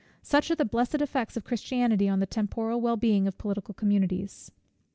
Such are the blessed effects of Christianity on the temporal well being of political communities.